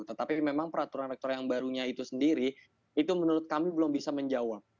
tetapi memang peraturan rektor yang barunya itu sendiri itu menurut kami belum bisa menjawab